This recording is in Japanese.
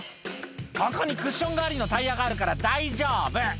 「ここにクッション代わりのタイヤがあるから大丈夫！」